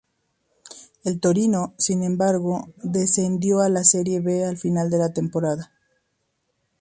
El Torino, sin embargo, descendió a la Serie B al final de la temporada.